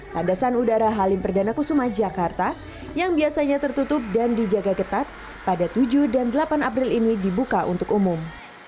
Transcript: landasan udara halim perdana kusuma jakarta yang biasanya tertutup dan dijaga ketat pada tujuh dan delapan april ini dibuka untuk umum